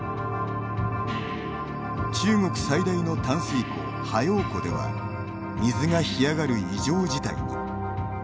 中国最大の淡水湖は陽湖では水が干上がる異常事態に。